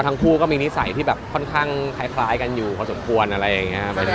ก็ทั้งผู้มีนิสัยที่แบบค่อนข้างแต่ไงกันอยู่ก็สมควรอะไรเนี่ย